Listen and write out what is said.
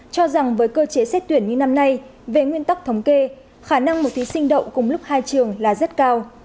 cho rằng với cơ chế xét tuyển như năm nay về nguyên tắc thống kê khả năng một thí sinh đậu cùng lúc hai trường là rất cao